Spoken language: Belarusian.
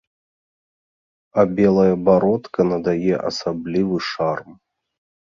А белая бародка надае асаблівы шарм.